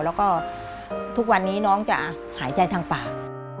แล้วก็ทุกวันนี้น้องจะหายใจทางปาก